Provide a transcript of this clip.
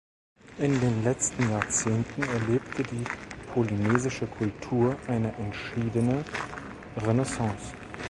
In den letzten Jahrzehnten erlebte die polynesische Kultur eine entschiedene Renaissance.